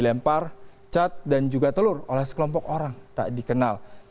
lempar cat dan juga telur oleh sekelompok orang tak dikenal